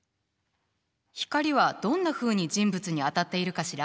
光はどんなふうに人物に当たっているかしら？